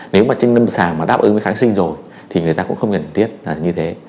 nếu mà trên năm sàng mà đáp ứng với kháng sinh rồi thì người ta cũng không nhận tiết như thế